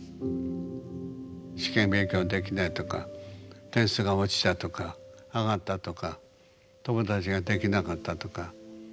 「試験勉強できない」とか「点数が落ちた」とか「上がった」とか「友達ができなかった」とか。